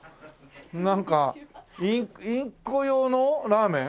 なんかインコ用のラーメン？